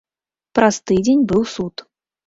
Праз тыдзень быў суд.